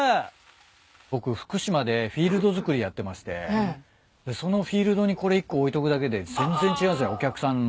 僕福島でフィールドづくりやってましてそのフィールドにこれ１個置いとくだけで全然違うお客さんも。